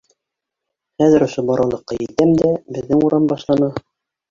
Хәҙер ошо боралыҡҡа етәм дә, беҙҙең урам башлана.